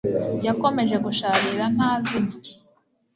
Yakomeje gusharira nta zina